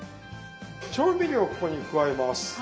調味料をここに加えます。